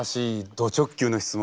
ド直球の質問を。